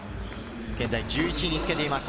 現在１１位につけています。